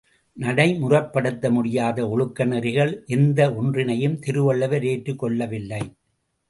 நடைமுறைப்படுத்த முடியாத ஒழுக்க நெறிகள் எந்த ஒன்றினையும் திருவள்ளுவர் ஏற்றுக் கொள்ளவில்லை.